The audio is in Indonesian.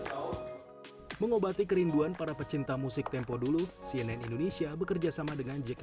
hai mengobati kerinduan para pecinta musik tempo dulu cnn indonesia bekerjasama dengan jk